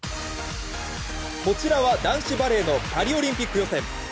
こちらは男子バレーのパリオリンピック予選。